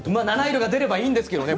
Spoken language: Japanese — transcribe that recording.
７色が出るといいんですけどね。